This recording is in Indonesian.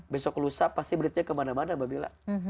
besok lusa pasti beritanya kemana mana mbak bila